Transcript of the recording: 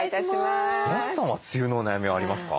安さんは梅雨のお悩みはありますか？